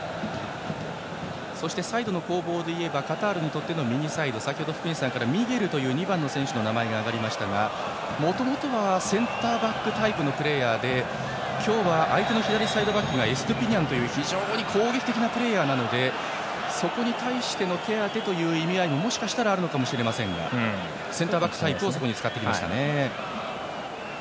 そしてサイドの攻防ではカタールにとっての右サイド先程、福西さんから２番、ミゲルの名前が挙がりましたがもともとセンターバックタイプのプレーヤーで今日は相手の左サイドバックがエストゥピニャンという非常に攻撃的なプレーヤーなのでそこに対するケアの意味ももしかしたらあるのかもしれませんがセンターバックタイプをそこに使ってきました。